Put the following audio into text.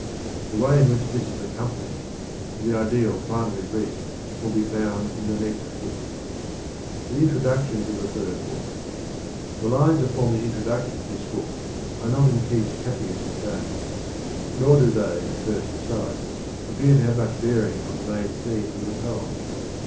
The way in which this is accomplished and the ideal finally reached will be found in the next book. The lines that form the introduction to this book are The introduc tion to the not in Keats's happiest vein; nor do they at first sight *^'"^^°°^ appear to have much bearing on the main theme of the poem.